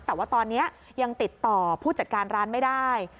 แต่ว่าตอนนี้ยังติดต่อผู้จัดการร้านไม่ได้